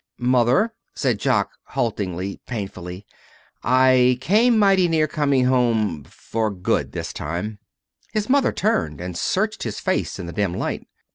"Mother," said Jock haltingly, painfully, "I came mighty near coming home for good this time." His mother turned and searched his face in the dim light.